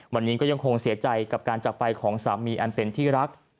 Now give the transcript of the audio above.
วันนี้ก็ยังคงเสียใจกับการจักรไปของสามีอันเป็นที่รัก